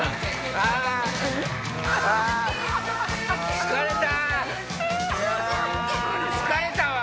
あ疲れた。